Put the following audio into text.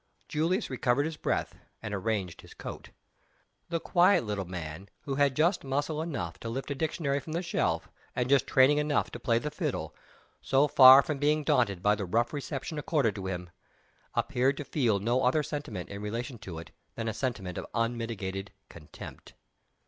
Julius recovered his breath, and arranged his coat. The quiet little man, who had just muscle enough to lift a dictionary from the shelf, and just training enough to play the fiddle, so far from being daunted by the rough reception accorded to him, appeared to feel no other sentiment in relation to it than a sentiment of unmitigated contempt.